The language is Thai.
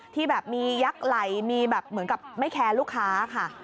ที่แบบมียักษ์ไหลมีแบบเหมือนกับไม่แคร์ลูกค้าค่ะ